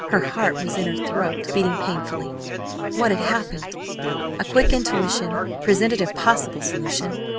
Her heart was in her throat, beating painfully. What had happened? A quick intuition presented a possible solution.